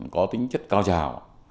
có tính chất cao trào